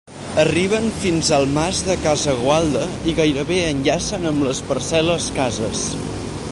Arriben fins al mas del Casagualda i gairebé enllacen amb les parcel·les Cases.